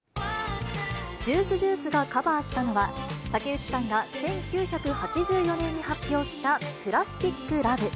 ジュースジュースがカバーしたのは、竹内さんが１９８４年に発表したプラスティック・ラブ。